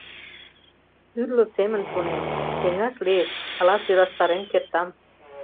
Тӱрлӧ семын шонем: «Сеҥаш лиеш, ала сӧрастарен кертам...»